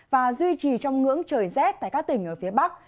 và duy trì trong ngưỡng trời rét tại các tỉnh ở phía bắc